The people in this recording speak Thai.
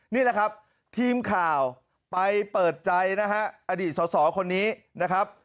นี่แหละครับทีมข่าวไปเปิดใจนะฮะอดีตสอสอคนนี้นะครับ